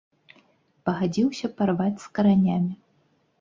Пагадзіўся парваць з каранямі.